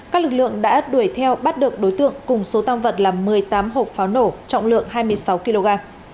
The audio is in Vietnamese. các lực lượng đã đuổi theo bắt được đối tượng cùng số tăng vật là một mươi tám hộp pháo nổ trọng lượng hai mươi sáu kg